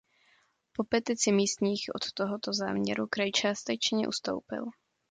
Po petici místních od tohoto záměru kraj částečně ustoupil.